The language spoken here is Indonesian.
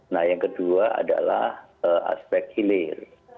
nah yang kedua adalah aspek hilir